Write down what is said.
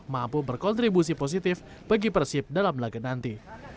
mampu berkontribusi positif bagi persib dalam laga nanti